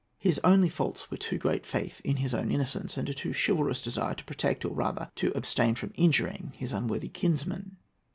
His only faults were too great faith in his own innocence and a too chivalrous desire to protect, or rather to abstain from injuring, his unworthy kinsman.